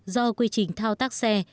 một mươi một ba do quy trình thao tác xe